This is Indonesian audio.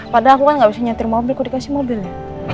padahal aku kan gak bisa nyetir mobil kok dikasih mobil ya